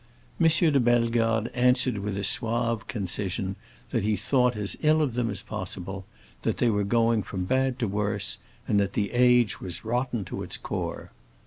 M. de Bellegarde answered with suave concision that he thought as ill of them as possible, that they were going from bad to worse, and that the age was rotten to its core.